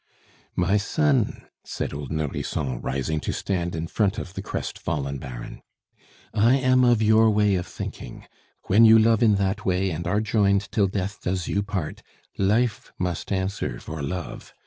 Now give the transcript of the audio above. "My son," said old Nourrisson, rising to stand in front of the crestfallen Baron, "I am of your way of thinking. When you love in that way, and are joined 'till death does you part,' life must answer for love.